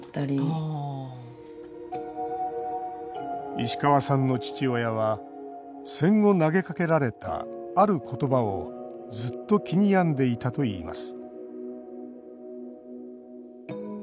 石川さんの父親は戦後投げかけられた、ある言葉をずっと気に病んでいたといいます